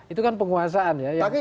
itu kan penguasaan ya